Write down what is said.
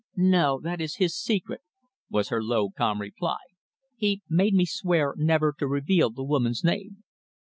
"No, that is his secret," was her low, calm reply. "He made me swear never to reveal the woman's name."